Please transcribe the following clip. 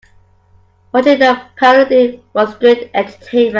Watching the parody was great entertainment.